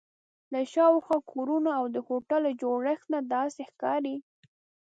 له شاوخوا کورونو او د هوټل له جوړښت نه داسې ښکاري.